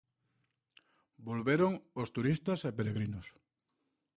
Volveron os turistas e peregrinos.